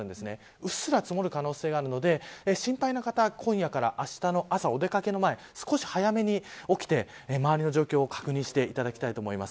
うっすら積もる可能性があるので心配な方は今夜からあしたの朝、お出掛けの前少し早めに起きて周りの状況を確認していただきたいと思います。